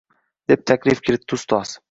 Deb taklif kiritdi ustoz